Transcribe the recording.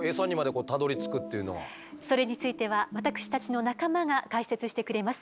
えっじゃあそれについては私たちの仲間が解説してくれます。